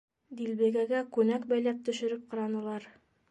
Дилбегәгә күнәк бәйләп төшөрөп ҡаранылар.